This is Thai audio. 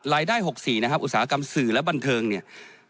รายได้๖๔นะครับอุตสาหกรรมสื่อและบันเทิงเนี่ย